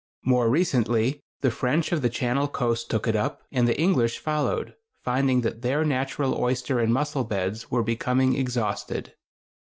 More recently the French of the Channel coast took it up, and the English followed, finding that their natural oyster and mussel beds were becoming exhausted.